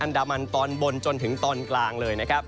ดามันตอนบนจนถึงตอนกลางเลยนะครับ